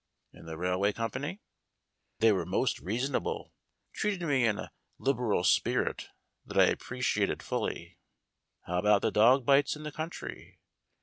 "And the railway company?" "They were most reasonable treated me in a lib eral spirit that I appreciated fully." "How about the dog bites in the country